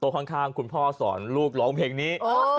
เข้าสอนลูกร้องเพลงนี้